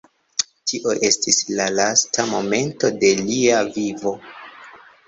Tio estis la lasta momento de lia vivo.